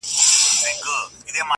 ژوند راته لنډوکی د شبنم راکه-